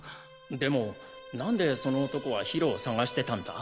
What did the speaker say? でもなんでその男はヒロを捜してたんだ？